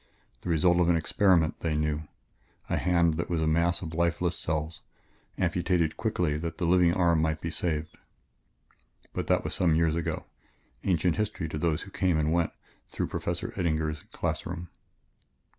The result of an experiment, they knew a hand that was a mass of lifeless cells, amputated quickly that the living arm might be saved but that was some several years ago, ancient history to those who came and went through Professor Eddinger's class room.